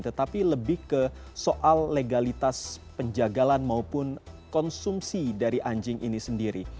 tetapi lebih ke soal legalitas penjagalan maupun konsumsi dari anjing ini sendiri